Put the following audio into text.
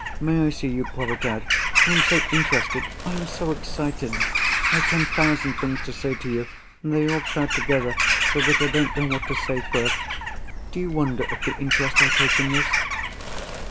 May I see you pour it out? I am so interested; I am so excited—I have ten thousand things to say to you, and they all crowd together so that I don't know what to say first. Do you wonder at the interest I take in this?"